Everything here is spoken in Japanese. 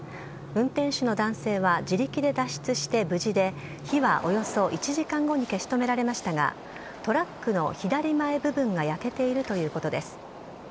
運転手の男性は自力で脱出して無事で火はおよそ１時間後に消し止められましたがトラックの左前部分が焼けているということです。